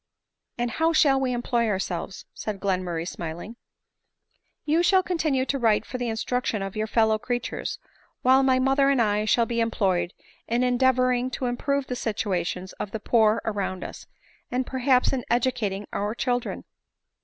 " And how shall we employ ourselves?" said Glenmur ray smiling. " You shall continue to write for the instruction of your fellow creatures ; while my mother and I shall be employed in endeavoring to improve the situation of the poor around us, and perhaps in educating our children."